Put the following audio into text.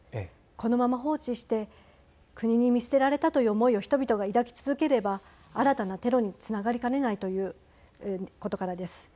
このまま放置して国に見捨てられたという思いを人々が抱き続ければ新たなテロにつながりかねないということからです。